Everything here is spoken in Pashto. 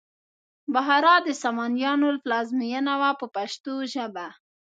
بخارا د سامانیانو پلازمینه وه په پښتو ژبه.